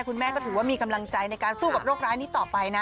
คุณแม่ก็ถือว่ามีกำลังใจในการสู้กับโรคร้ายนี้ต่อไปนะ